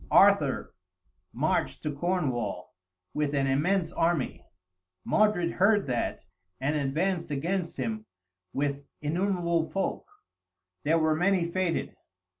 Arthur marched to Cornwall, with an immense army. Modred heard that, and advanced against him with innumerable folk, there were many fated!